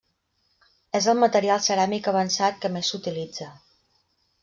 És el material ceràmic avançat que més s’utilitza.